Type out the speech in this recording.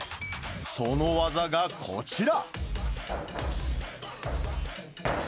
その技がこちら。